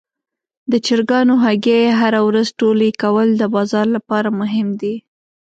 د چرګانو هګۍ هره ورځ ټولې کول د بازار لپاره مهم دي.